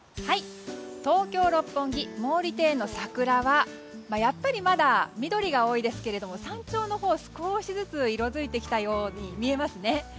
東京・六本木毛利庭園の桜はやっぱりまだ緑が多いですけれども少しずつ色づいてきたように見えますね。